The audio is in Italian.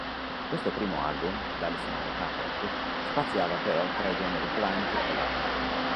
Questo primo album, dalle sonorità pop, spaziava però tra i generi grunge e lounge.